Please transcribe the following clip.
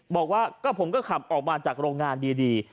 บอกว่าก็ผมก็ขับออกมาจากโรงงานดี